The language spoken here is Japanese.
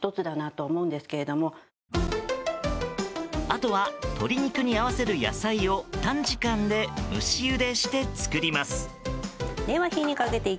あとは、鶏肉に合わせる野菜を短時間で蒸しゆでして作ります。